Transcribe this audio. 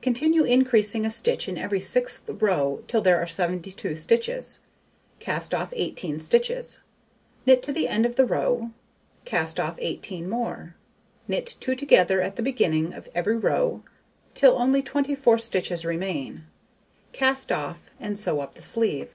Continue increasing a stitch in every 6th row till there are 72 stitches; cast off 18 stitches, knit to the end of the row; cast off 18 more. Knit 2 together at the beginning of every row till only 24 stitches remain. Cast off, and sew up the sleeve.